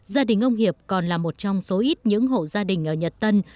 gia đình ông hiệp còn là một trong số ít những hộ gia đình ở nhật tân